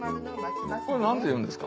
これ何ていうんですか？